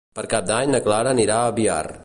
Per Cap d'Any na Clara anirà a Biar.